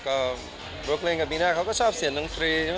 ก็ลูกเล่นกับมีน่าเขาก็ชอบเสียงดังทรีย์